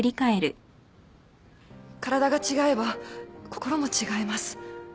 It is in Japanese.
体が違えば心も違います。